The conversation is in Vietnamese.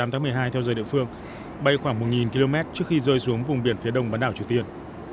một mươi tám tháng một mươi hai theo dời địa phương bay khoảng một km trước khi rơi xuống vùng biển phía đông bãn đảo triều tiên